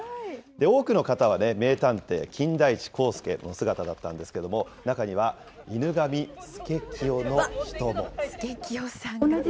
多くの方はね、名探偵、金田一耕助の姿だったんですけれども、中には犬神佐清の人も。